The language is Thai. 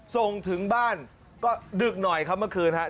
ส่งถึงบ้านก็ดึกหน่อยครับเมื่อคืนครับ